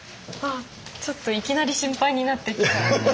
ちょっといきなり心配になってきた。